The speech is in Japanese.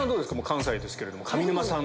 関西ですけれども上沼さん。